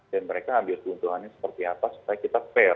dan mereka ambil keuntungannya seperti apa supaya kita fair